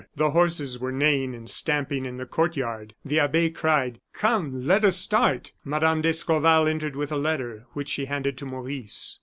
The horses were neighing and stamping in the courtyard. The abbe cried: "Come, let us start." Mme. d'Escorval entered with a letter, which she handed to Maurice.